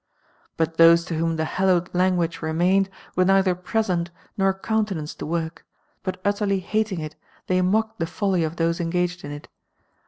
^^ But those to whom the Iiallowcd lani^ua^e re niamcd were neither present, nor countcnMced the work ; but utterly hating it, they mocked the foliy of those engaged in it.